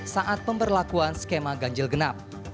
saat pemberlakuan skema ganjil genap